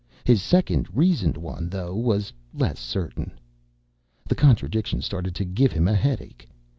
His second, reasoned one, though, was less certain. The contradiction started to give him a headache.